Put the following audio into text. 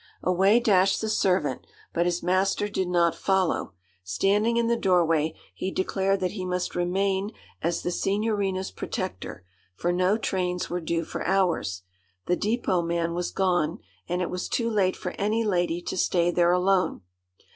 Away dashed the servant, but his master did not follow: standing in the doorway, he declared that he must remain as the Signorina's protector, for no trains were due for hours; the dépôt man was gone, and it was too late for any lady to stay there alone.